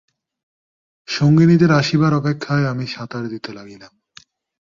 সঙ্গিনীদের আসিবার অপেক্ষায় আমি সাঁতার দিতে লাগিলাম।